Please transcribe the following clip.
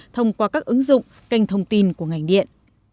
thông qua các ứng dụng kênh thông tin của ngành điện